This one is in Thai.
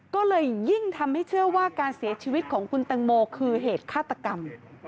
ก็เลยยิ่งทำให้เชื่อว่าการเสียชีวิตของคุณตังโมคือเหตุฆาตกรรม